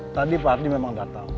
tadi pak abdi memang datang